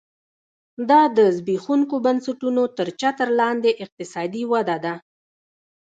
دا د زبېښونکو بنسټونو تر چتر لاندې اقتصادي وده ده